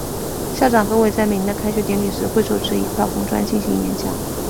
校长何伟在每年的开学典礼时会手持一块红砖进行演讲。